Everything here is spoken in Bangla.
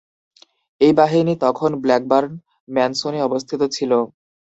এই বাহিনী তখন ব্ল্যাকবার্ন ম্যানসনে অবস্থিত ছিল।